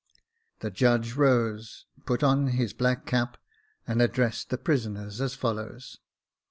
The judge rose, put on his black cap, and addressed the prisoners as follows.